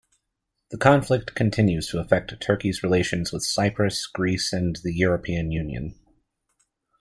The conflict continues to affect Turkey's relations with Cyprus, Greece, and the European Union.